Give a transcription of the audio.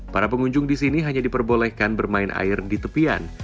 para pengunjung di sini hanya diperbolehkan bermain air di tepian